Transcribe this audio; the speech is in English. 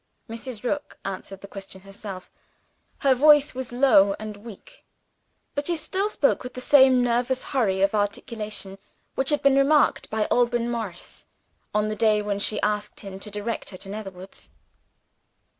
Mrs. Rook answered the question herself. Her voice was low and weak; but she still spoke with the same nervous hurry of articulation which had been remarked by Alban Morris, on the day when she asked him to direct her to Netherwoods.